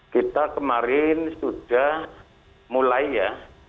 kita kemarin sudah mulai ya